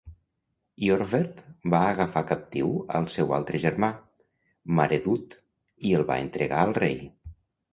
Iorwerth va agafar captiu al seu altre germà, Maredudd, i el va entregar al rei.